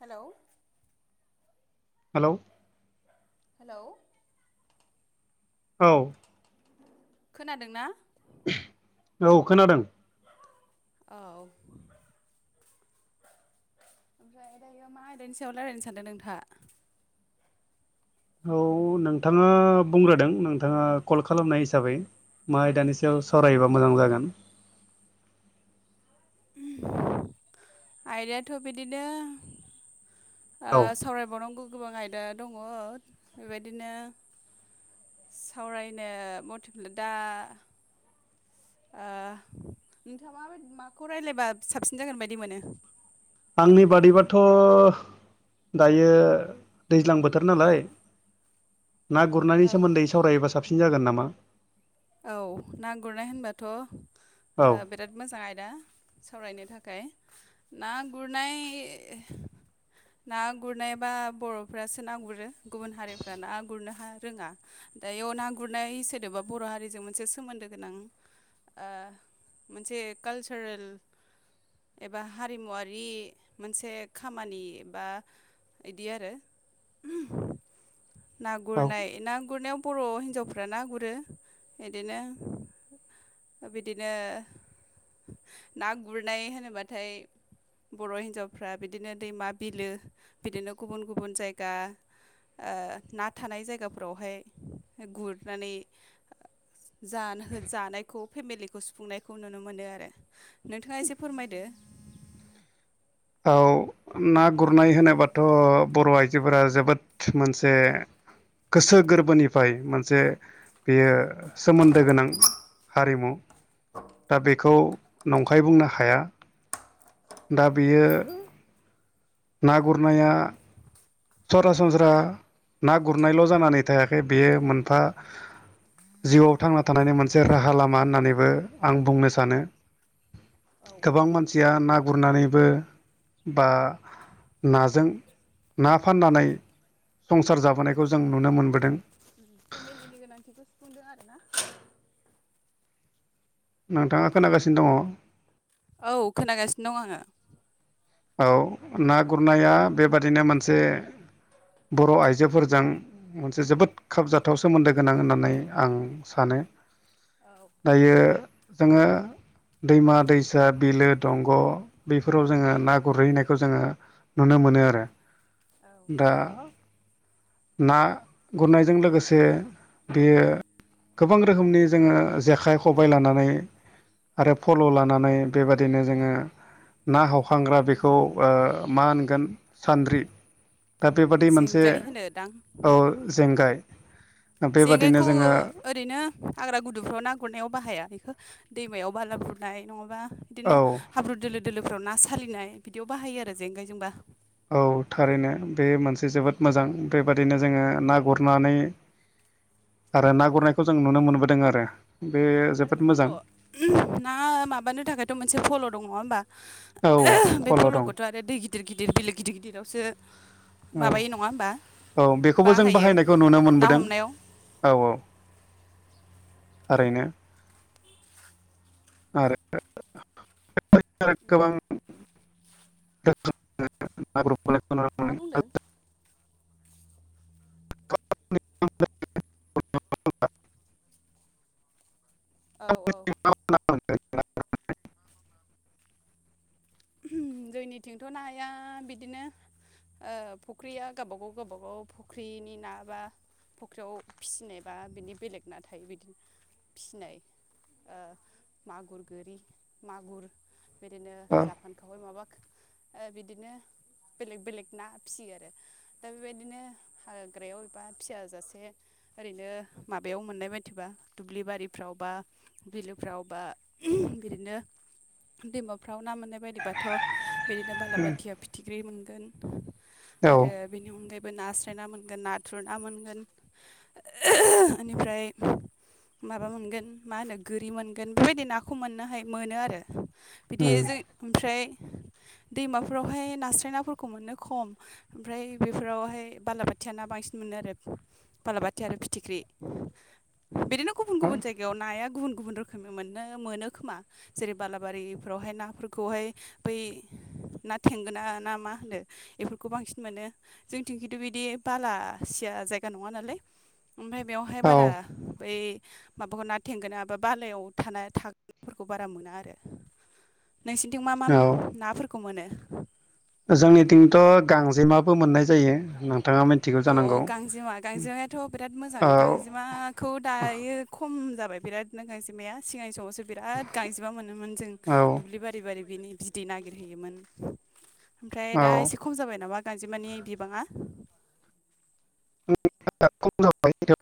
Hello hello hello औ खोनादोंना औ खोनादों औ ओमफ्राय दायो मा आयदानि सायाव रायलायनो सानदों नोंथाङा औ नोंथाङा बुंग्रोदों नोंथाङा कल खालामनाय हिसाबै मा आयदानि सायाव सावरायोबा मोजां जागोन आयदायाथ बिदिनो औ सावरायबावनांगौ गोबां आयदा दङ बेबायदिनो सावरायनो मटिभ दा नोंथाङा माबायदि माखौ रायज्लायबा साबसिन जागोन बायदि मोनो आंनि बादिबाथ' दायो दैज्लां बोथोर नालाय ना गुरनायनि औ सोमोन्दै सावरायोबा साबसिन जागोन नामा औ ना गुरनाय होनबाथ' औ बिराद मोजां आदा सावरायनो थाखाय ना गुरनाय ना गुरनायबा बर'फ्रासो ना गुरो गुबुन हारिफ्रा ना गुरनो हा रोङा दायाव ना गुरनाय सोदोबा बर' हारि जों मोनसे सोमोन्दो गोनां मोनसे कालसारेल एबा हारिमुवारि मोनसे खामानि एबा बिदि आरो ना औ गुरनाय ना गुरनायाव बर' हिन्जावफ्रा ना गुरो बिदिनो बिदिनो ना गुरनाय होनोब्लाथाय बर' हिनजावफ्रा बिदिनो दैमा बिलो बिदिनो गुबुन गुबुन जायगा ना थानाय जायगाफोरावहाय गुरनानै जानो जानायखौ फेमिलिखौ सुफुंनायखौ नुनो मोनो आरो नोंथाङा एसे फोरमायदो औ ना गुरनाय होनोबाथ' बर' आइजोफोरा जोबोद मोनसे गोसो गोरबोनि फ्राय मोनसे बेयो सोमोन्दो गोनां हारिमु दा बेखौ नंखाय बुंनो हाया दा बियो ना गुरनाया सरासनस्रा ना गुरनायल' जानानै थायाखै बेयो मोनफा जिउआव थांना थानायनि मोनसे राहा लामा होननानैबो आं बुंनो सानो औ गोबां मान सिया ना गुरनानैबो बा नाजों ना फाननानै संसार जाबोनायखौ जों नुनो मोनबोदों फेमिलिनि गोनांथिखौ सुफुंदों आरोना नोंथाङा खोनागासिनो दङ औ खोनागासिनो दं आङो औ ना गुरनाया बेबादिनो मोनसे बर' आइजोफोरजों मोनसे जोबोद खाबजाथाव सोमोन्दो गोनां होननानै आं सानो औ दायो जोङो दैमा दैसा बिलो दंग' बेफोराव जोङो ना गुरहैनायखौ जोङो नुनो मोनो आरो औ दा ना गुरनायजों लोगोसे बेयो गोबां रोखोमनि जोङो जेखाइ खबाय लानानै आरो फल' लानानै बेबादिनो जोङो ना हखांग्रा बेखौ खौ मा होनगोन सान्द्रि दा बेबादि मोनसे जेंगाय होनोदां औ जेंगाय जेंगायखौ बेबादिनो जोङो ओरैनो हाग्रा गुदुंफ्राव ना गुरनायाव बाहाया बेखौ दैमायाव बाला गुरनाय नङाबा औ बिदिनो हाब्रु दोलो दोलोफ्राव ना सालिनाय बिदियाव बाहायो आरो जेंगायजोंबा औ थारैनो बे मोनसे जोबोद मोजां बेबादिनो जोङो ना गुरनानै आरो ना गुरनायखौ जों नुनो मोनबोदों आरो बे आरो जोबोद मोजां फल' ना माबानो थाखायथ' मोनसे फल' दङ होमबा औ बे फल' दं फल'खौथ' आरो दै गिदिर गिदिर बिलेग गिदिर गिदिरावसो माबायो नङा होमबा औ-औ बेखौबो जों बाहायो बाहायनायखौ नुनो ना मोनबोदों हमनायाव औ-औ ओरैनो आरो बेफोर बादिनो गोबां [unintelligible] मा बुंदों औ-औ [unintelligible] जोंनिथिंथ' नाया बिदिनो फुख्रिया गावबागाव गावबागाव फुख्रिनि ना बा फख्रियाव फिसिनायबा बिनि बेलेग ना थायो बिदिनो फिसिनाय मागुर गोरि मागुर बिदिनो जाफान खावै माबा बिदिनो बेलेग बेलेग ना फिसियो आरो दा बेबायदिनो हाग्रायाव एबा फिया जासे ओरैनो माबायाव मोननाय बायदिबा दुब्लि बारिफ्राव बा बिलोफ्राव बा बिदिनो दैमाफ्राव ना मोननाय बायदिबाथ' बिदिनो बालाबाथिया फिथिख्रि मोनगोन औ आरो बेनि अनगायैबो नास्राय ना मोनगोन नाथुर ना मोनगोन बेनिफ्राय माबा मोनगोन मा होनो गोरि मोनगोन बेबायदि नाखौ मोननो हाय मोनो आरो दे उम जों ओमफ्राय दैमाफोरावहाय नास्राय नाफोरखौ मोनो खम ओमफ्राय बेफोरावहाय बालाबाथिया ना बांसिन मोनो आरो बालाबाथि आरो फिथिख्रि बिदिनो गुबुन गुबुन जायगायाव नाया गुबुन गुबुन रोखोमनि मोननो मोनो खोमा जेरै बाला बारि बेवहाय नाफोरखौहाय बै ना थेंगोना ना मा होनो बेफोरखौ बांसिन मोनो जोंथिं खिन्थु बिदि बालासिया जायगा नङा नालाय ओमफ्राय बेवहाय औ बारा बै माबाखौ ना थेंगोना बा बालायाव था थाग्राफोरखौ बारा मोना आरो नोंसिनिथिं मा मा औ नाफोरखौ मोनो जोंनिथिंथ' गांजेमाबो मोननाय जायो नोंथाङा मिथि अ औ गांजेमा गांजेमायाथ' बिराद मोजां औ गांजेमाखौ दायो खम जाबाय बिराद नों गांजेमाया सिगां समावसो बिराद गांजेमा मोनोमोन जों औ दुब्लि बारि बारि बिनि बिदै नागिरहैयोमोन ओमफ्राय औ दा एसे खम जाबाय नामा गांजेमानि बिबाङा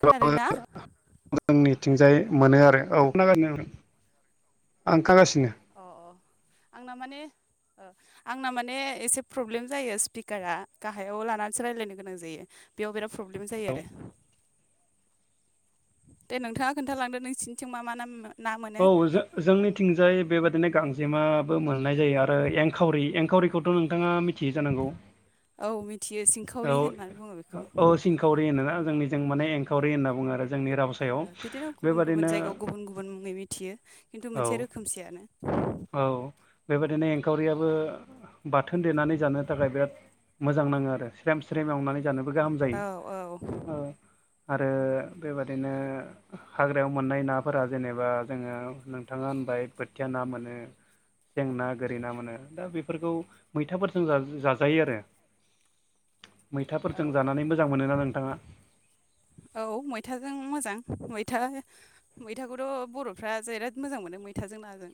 खोनादोंना जोंनिथिंजाय मोनो आरो औ खोनागासिनो आं ओंखारागासिनो अ-अ आंना माने आंना माने एसे प्रब्लेम जायो स्पिकारा गाहायाव लानानैसो रायज्लायनो गोनां जायो बेयाव बिराद प्रब्लेम जायो औ आरो दे नोंथाङा खोन्थालांदो नोंसिनिथिं मा मा ना मा औ जों जोंनिथिंजाय बेबादिनो गांजेमाबो मोननाय जायो आरो एंखावरि एंखावरिखौथ' नोंथाङा मिथियो जानांगौ औ मिथियो सिंखावरि होननानै बुङो बेखौ एंखावरि होनो ना जोंनिथिं माने एकावरि होनना बुङो आरो जोंनि रावजों बिदिनो गुबुन गुबुन जायगायाव गुबुन गुबुन मुङै मिथियो खिन्थु औ मोनसे रोखोमसेयानो औ बेबायदिनो एंखावरियाबो बाथोन देनानै जानो थाखाय बिराद मोजां नाङो आरो स्रेम स्रेम एवनानै जानोबो गाहाम औ औ जायो आरो बेबादिनो हाग्रायाव मोननाय नाफोरा जेनेबा जोङो नोंथाङा होनबाय बोथिया ना मोनो सें ना गोरि ना मोनो दा बेफोरखौ मैथाफोरजों जाजायो आरो [inaudible] औ मैथाफोरजों जानानै मोजां मोनोना नोंथाङा औ मैथाजों मोजां मैथा मैथाखौथ' बर'फ्रा जराद मोजां मोनो मैथाजों नाजों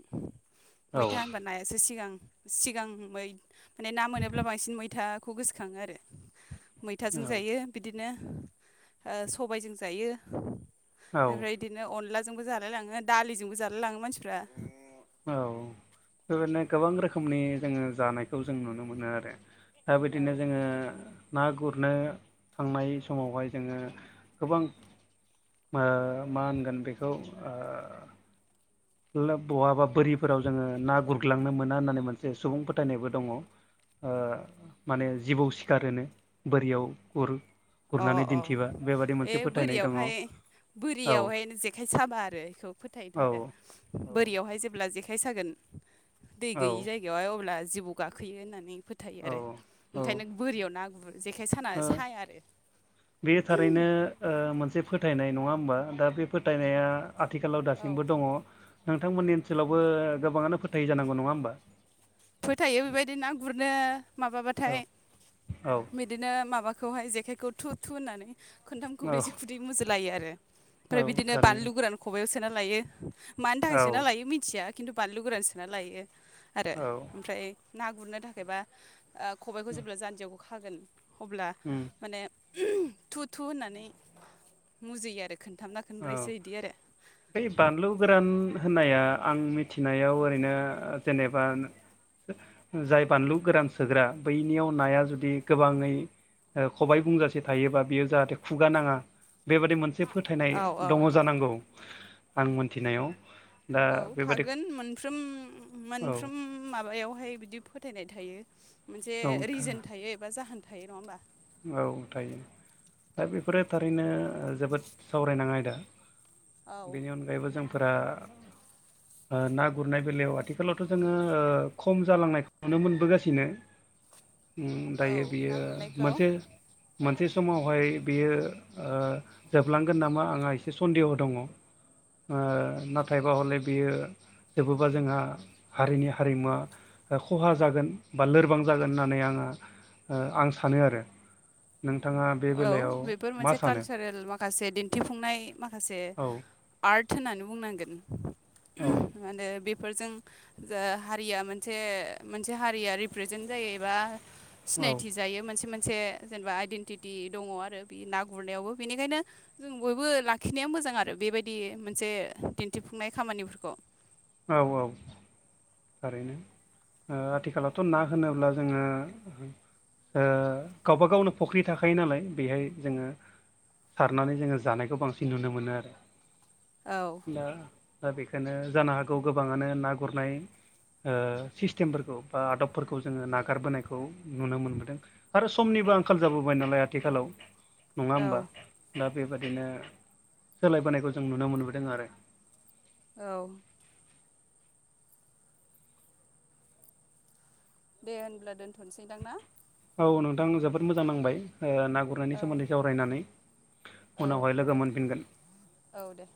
औ मैथा होनबा नायासो सिगां सिगां माने ना मोनोब्ला बांसिन मैथा खौ गोसोखाङो आरो औ मैथाजों जायो बिदिनो सबायजों जायो औ ओमफ्राय बिदिनो अनलाजोंबो जालायलाङो दालिजोंबो जालायलाङो मानसिफ्रा औ बेबायदिनो गोबां रोखोमनि जोङो जानायखौ जों नुनो मोनो आरो दा औ बिदिनो जोङो ना गुरनो थांनाय समावहाय जोङो गोबां आ मा होनगोन बेखौ आ बहाबा बोरिफोराव जोङो ना गुरग्लांनो मोना होननानै मोनसे सुबुं फोथायनायबो दङ ओ माने जिबौ सिखार होनो बोरियाव गुर गुरनानै अ-अ दिन्थिबा बेबादि ए मोनसे फोथायनाय दङ औ बोरियावहाय औ बोरियावहाय जेखाइ साबा आरो बेखौ फोथायथ' औ आरो बोरियावहाय जेब्ला जेखाय सागोन दै औ गैयै जायगा यावहाय अब्ला जिबौ गाखोयो होननानै फोथ थायो औ आरो ओंखायनो बोरियाव ना गुरो जेखाइ साना ओ साया आरो बे थारैनो मोनसे फोथायनाय नङा होमबा दा बे फोथायनाया आथिखालाव औ दासिमबो दङ नोंथांमोननि ओनसोलावबो गोबाङानो फोथायो जानांगौ नङा होमबा फोथायो बेबायदि ना गुरनो औ माबाथाय औ बिदिनो माबाखौहाय जेखायखौ थु-थु होननानै खनथाम औ खनब्रैसो खुदैै मुजुलायो आरो औ ओमफ्राय बिदिनो थारैनो बानलु गोरान खबायाव सोना लायो मानि थाखाय औ सोना लायो मिथिया खिन्थु बानलु गोरान सोना लायो आरो औ ओमफ्राय ना गुरनो थाखायबा खबायखौ जेब्ला जान्जियावखौ खागोन अब्ला उम माने थु थु होननानै मुजियो आरो खोनथामना औ खनब्रैसो बिदि आरो बै बानलु गोरान होननाया आं मिथिनायाव ओरैनो जेनेबा जाय बानलु गोरान सोग्रा बैनियाव नाया जुदि गोबाङै ओ खबाइ बुंजासे थायोबा बियो जाहाथे खुगा नाङा बेबादि मोनसे फोथायनाय औ औ दङ जानांगौ आं मोनथिनायाव दा औ बेबादि थागोन मोनफ्रोम औ मोनफ्रोम माबायावहाय बिदि फोथायनाय थायो मोनसे औ रिजोन थायो एबा जाहोन थायो नङा होमबा? औ थायो। दा बेफोरो थारैनो जोबोद सावरायनां आयदा औ बेनि अनगायैबो जों फोरा ओ ना गुरनाय बेलायाव आथिखालावथ' जोङो ओ खम जालांनायखौ नुनो मोनबोगासिनो [inaudible] उम दायो औ ना बियो गुरनायखौ मोनसे मोनसे समावहाय बियो ओ जोबलांगोन नामा आंहा एसे सन्देह दङ ओ नाथायबा हले बियो जेबोबा जोंहा हारिनि हारिमुवा ओ खहा जागोन बा लोरबां जागोन होननानै आङो ओ आं सानो आरो नोंथाङा बे औ बेलायाव बेफोर मा मोनसे सानो कालसारेल माखासे दिन्थिफुंनाय माखासे औ आर्ट होननानै बुंनांगोन। औ आरो बेफोरजों जा हारिया मोनसे मोनसे हारिया रिप्रेजेन्ट जायो एबा औ सिनायथि जायो मोनसे मोनसे जेनेबा आइडेन्टिटि दङ आरो बे ना गुरनायावबो बेनिखायनो जों बयबो लाखिनाया मोजां आरो बेबायदि मोनसे दिन्थिफुंनाय खामानिफोरखौ औ औ थारैनो ओ आथिखालावथ' ना होनोब्ला जोङो ओ गावबा गावनो फख्रि थाखायो नालाय बेहाय जोङो सारनानै जोङो जानायखौ बांसिन नुनो मोनो आरो औ दा दा बेखायनो जानो हागौ गोबाङानो ना गुरनाय ओ सिस्टेमफोरखौ बा आदबफोरखौ जोङो नागारबोनायखौ नुनो मोनबोदों। आरो समनिबो आंखाल जाबोबाय नालाय आथिखालाव नङा औ होनबा दा बेबादिनो सोलायबोनायखौ जों नुनो मोनबोदों आरो औ दे होनब्ला दोनथ'सैदां ना। औ नोंथां जोबोद मोजां नांबाय ओ गु रनायनि औ सोमोन्दै सावरायनानै औ उनावहाय लोगो आइ मोनफिनगोन औ दे।